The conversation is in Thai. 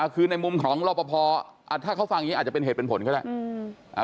คือในมุมของรอปภถ้าเขาฟังอย่างนี้อาจจะเป็นเหตุเป็นผลก็ได้